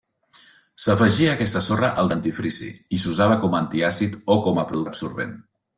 S'afegia aquesta sorra al dentifrici i s'usava com antiàcid o com a producte absorbent.